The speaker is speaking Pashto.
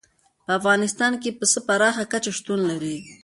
په افغانستان کې پسه په پراخه کچه شتون لري.